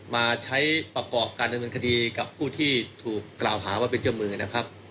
มาใช้ประกอบการดำเนินคดีกับผู้ที่ถูกกล่าวหาว่าเป็นเจ้ามือนะครับ